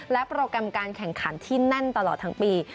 โปรแกรมการแข่งขันที่แน่นตลอดทั้งปี